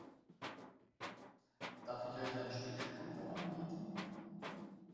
Darf ich euch ein Stück Kuchen anbieten?